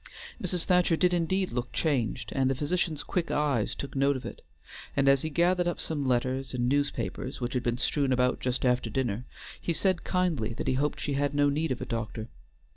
Mrs. Thacher did indeed look changed, and the physician's quick eyes took note of it, and, as he gathered up some letters and newspapers which had been strewn about just after dinner, he said kindly that he hoped she had no need of a doctor.